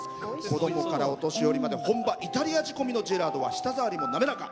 子供からお年寄りまで本場イタリア仕込みのジェラートは舌触りも滑らか。